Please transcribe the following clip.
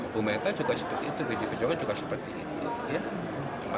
bumeta juga seperti itu biji pejongan juga seperti itu